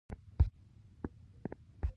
هو، ټول ښه وو،